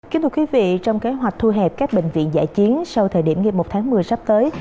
kính thưa quý vị trong kế hoạch thu hẹp các bệnh viện giải chiến sau thời điểm ngày một tháng một mươi sắp tới